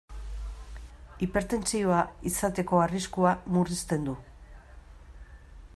Hipertentsioa izateko arriskua murrizten du.